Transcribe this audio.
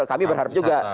kami berharap juga